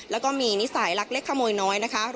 และมีหนีสายหลักเล็กขมวยน้อย